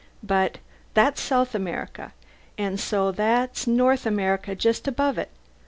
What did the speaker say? _But that's South America. And so that's North America just above it.